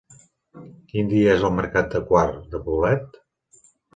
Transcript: Quin dia és el mercat de Quart de Poblet?